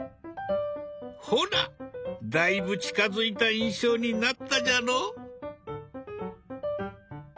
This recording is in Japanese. ほらだいぶ近づいた印象になったじゃろ？